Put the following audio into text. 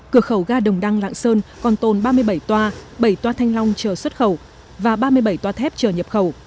cửa khẩu ga đồng đăng lạng sơn còn tồn ba mươi bảy toa bảy toa thanh long chờ xuất khẩu và ba mươi bảy toa thép chờ nhập khẩu